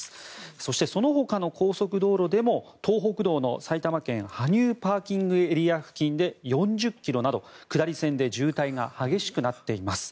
そして、そのほかの高速道路でも東北道の埼玉県羽生ＰＡ付近で４０ｋｍなど下り線で渋滞が激しくなっています。